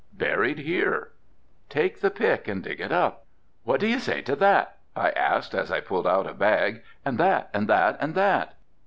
"Buried there." "Take the pick and dig it up." "What do you say to that," I asked as I pulled out a bag, "and that and that and that."